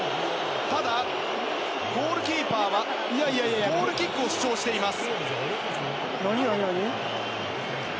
ただ、ゴールキーパーはゴールキックを主張しています。